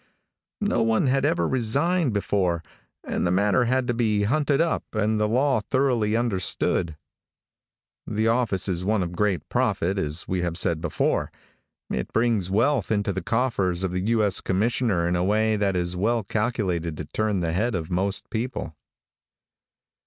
No one had ever resigned before, and the matter had to be hunted up and the law thoroughly understood. The office is one of great profit, as we have said before. It brings wealth into the coffers of the U. S. Commissioner in a way that is well calculated to turn the head of most people.